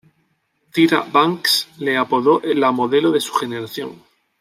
Tyra Banks le apodó "la modelo de su generación".